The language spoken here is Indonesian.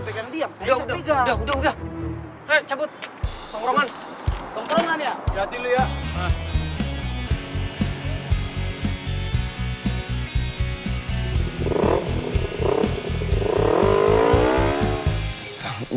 cepet pengurangan pengurangan ya